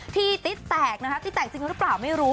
ที่ติ๊ดแตกนะคะติ๊แตกจริงหรือเปล่าไม่รู้